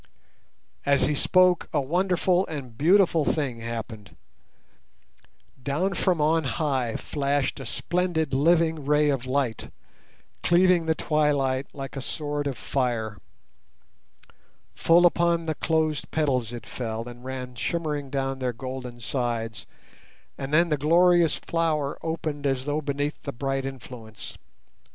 As he spoke a wonderful and a beautiful thing happened. Down from on high flashed a splendid living ray of light, cleaving the twilight like a sword of fire. Full upon the closed petals it fell and ran shimmering down their golden sides, and then the glorious flower opened as though beneath the bright influence.